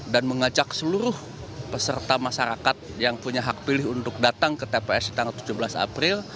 dan mengajak seluruh peserta masyarakat yang punya hak pilih untuk datang ke tps di tanggal tujuh belas april